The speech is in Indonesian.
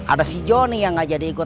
ada si johnny yang gak jadi ikut